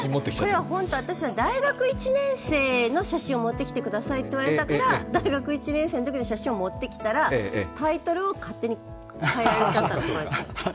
これは大学１年生のときの写真を持ってきてくださいって言われたから大学１年生のときの写真を持ってきたらタイトルを勝手に変えられちゃったの。